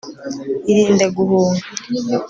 irinde guhunga